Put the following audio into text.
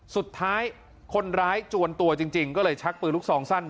สุดท้ายคนร้ายจวนตัวจริงก็เลยชักปืนลูกซองสั้น